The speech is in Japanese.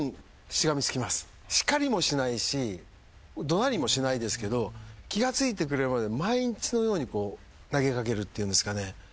叱りもしないし怒鳴りもしないですけど気が付いてくれるまで毎日のように投げ掛けるっていうんですかね。